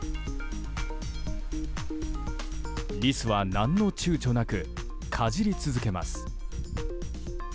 リスは何の躊躇なくかじり続けます。